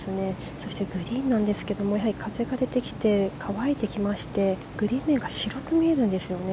そして、グリーンなんですが風が出てきて乾いてきまして、グリーン面が白く見えるんですよね。